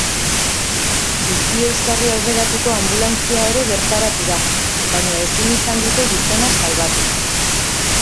Bizi-euskarri aurreratuko anbulantzia ere bertaratu da, baina ezin izan dute gizona salbatu.